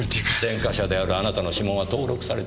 前科者であるあなたの指紋は登録されています。